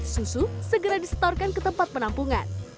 susu segera disetorkan ke tempat penampungan